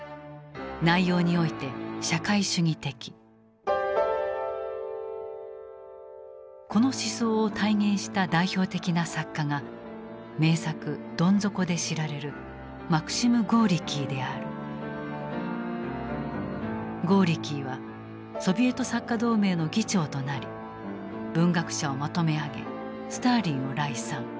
スローガンはこの思想を体現した代表的な作家が名作「どん底」で知られるゴーリキーはソビエト作家同盟の議長となり文学者をまとめ上げスターリンを礼賛。